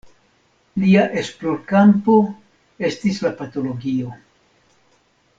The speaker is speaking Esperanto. Lia esplorkampo estis la patologio.